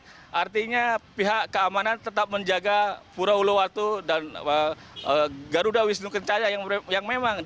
jadi artinya pihak keamanan tetap menjaga pura uluwatu dan garuda wisnu kencana